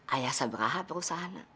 ayah seberaha perusahaan